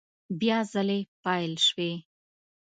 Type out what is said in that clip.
بیا ځلي پیل شوې